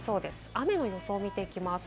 雨の様子を見ていきます。